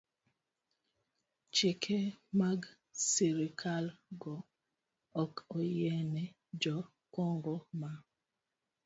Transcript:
Chike mag sirkalgo ok oyiene jo Kongo ma